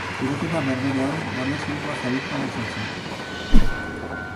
Tiroketa berberean, guardia zibil bat zauritua izan zen.